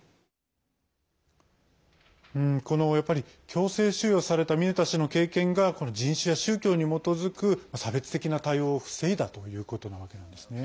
強制収容されたミネタ氏の経験がこの人種や宗教に基づく差別的な対応を防いだということなんですね。